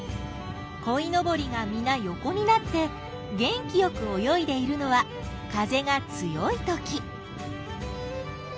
こいのぼりがみな横になって元気よく泳いでいるのは風が強いとき。